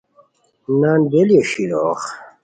نان بیلیو شیلوغ